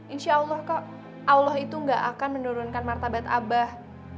insya allah kok allah itu gak akan menurunkan martabat abah